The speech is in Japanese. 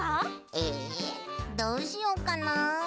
えどうしよっかな？